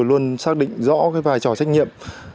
luôn xác định rõ vai trò trách nhiệm